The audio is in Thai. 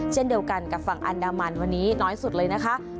เช่นเดียวกันกับฝั่งอันดามันวันนี้น้อยสุดเลยนะคะ